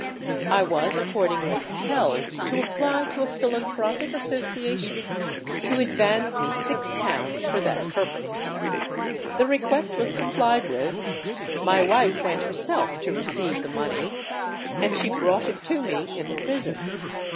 I was accordingly compelled to apply to a philanthropic association to advance me six pounds for that purpose. The request was complied with; my wife went herself to receive the money; and she brought it to me in the prison.